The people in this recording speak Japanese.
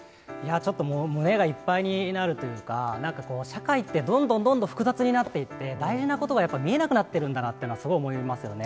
ちょっともう、胸がいっぱいになるというか、なんかこう、社会ってどんどんどんどん複雑になっていって、大事なことが見えなくなっているんだなと、すごい思いますよね。